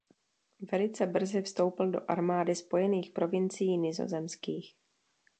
Velice brzy vstoupil do armády Spojených provincií nizozemských.